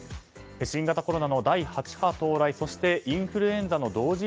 新型コロナの第８波到来そしてインフルエンザの同時